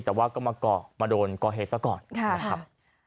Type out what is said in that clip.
แต่ว่าก็มาก่อมาโดนก่อเหตุแล้วก่อน